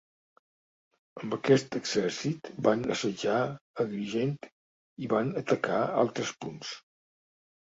Amb aquest exèrcit van assetjar Agrigent, i van atacar altres punts.